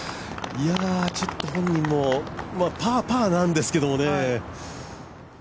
ちょっと本人もパー、パーなんですけどもね。